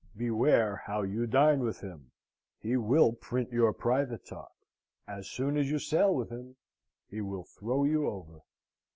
Beware how you dine with him, he will print your private talk: as sure as you sail with him, he will throw you over.